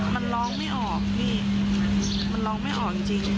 มันร้องไม่ออกจริง